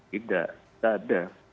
tidak tidak ada